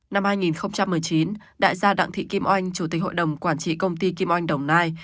năm hai nghìn một mươi chín đại gia đặng thị kim oanh chủ tịch hội đồng quản trị công ty kim oanh đồng nai